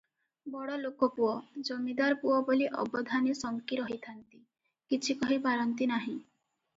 ବଡ଼ଲୋକ ପୁଅ, ଜମିଦାର ପୁଅ ବୋଲି ଅବଧାନେ ଶଙ୍କି ରହିଥାନ୍ତି, କିଛି କହି ପାରନ୍ତି ନାହିଁ ।